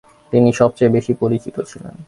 তিনি সবচেয়ে বেশি পরিচিত ছিলেন।